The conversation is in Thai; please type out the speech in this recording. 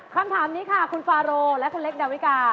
คำถามนี้ค่ะคุณฟาโรและคุณเล็กดาวิกา